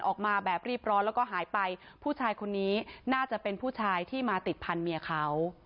ออกมาแบบรีบร้อนแล้วก็หายไปผู้ชายคนนี้น่าจะเป็นผู้ชายที่มาติดพันเมียเขา